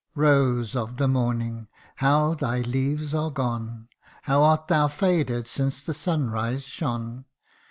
Rose of the morning, how thy leaves are gone ! How art thou faded since the sunrise shone